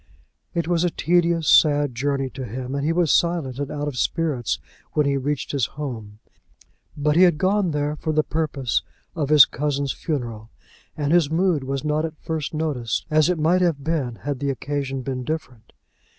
It was a tedious, sad journey to him, and he was silent and out of spirits when he reached his home; but he had gone there for the purpose of his cousin's funeral, and his mood was not at first noticed, as it might have been had the occasion been different.